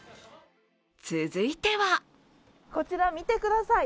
続いてはこちら、見てください。